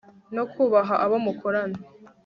no kubaha abo mukorana